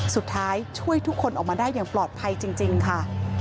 ช่วยทุกคนออกมาได้อย่างปลอดภัยจริงค่ะ